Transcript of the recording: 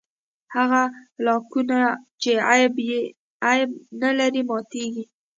هغه لاکونه چې عیب نه لري ماتېږي.